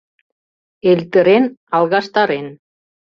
Эльтырен — алгаштарен.